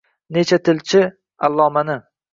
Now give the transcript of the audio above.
Necha tilchi allomani.